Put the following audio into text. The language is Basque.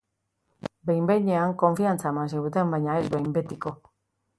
Behin-behinean konfiantza eman ziguten, baina ez behin betiko.